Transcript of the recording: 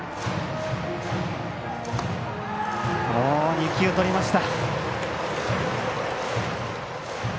２球、とりました。